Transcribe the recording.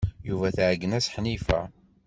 Yuba tɛeggen-as Ḥnifa.